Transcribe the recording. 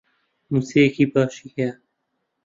مووچەیەکی باشی هەیە.